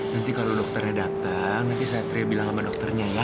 nanti kalau dokternya datang nanti saya bilang sama dokternya ya